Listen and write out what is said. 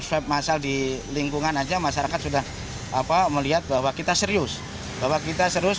swab masal di lingkungan aja masyarakat sudah apa melihat bahwa kita serius bahwa kita serius